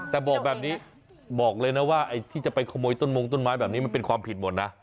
แต่บอกแบบนี้บอกเลยนะว่าไอ้ที่จะไปขโมยต้นมงต้นไม้แบบนี้มันเป็นความผิดหมดนะ